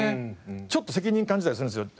ちょっと責任感じたりするんですよ。